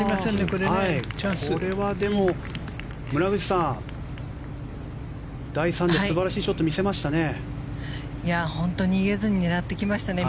これはでも村口さん第３打、素晴らしいショット見せましたね。